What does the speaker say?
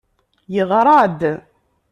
Yeɣra-d.